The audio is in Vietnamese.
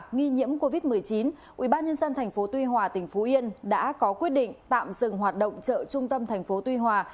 nghi nhiễm covid một mươi chín ubnd tp tuy hòa tỉnh phú yên đã có quyết định tạm dừng hoạt động chợ trung tâm thành phố tuy hòa